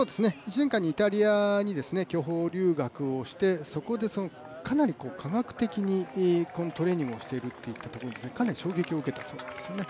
１年間イタリアに競歩留学をしてそこでかなり科学的にトレーニングをしているといったところがかなり衝撃を受けたそうなんですね。